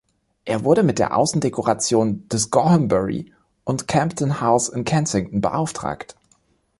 Er wurde mit der Außendekoration des Gorhambury and Campden House in Kensington beauftragt.